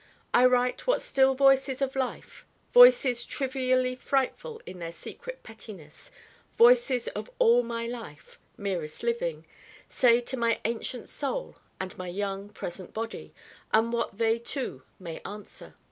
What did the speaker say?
I write what still voices of life: voices trivially frightful in their secret pettiness: voices of all my life merest living say to my ancient Soul and my young present Body and what they two may answer.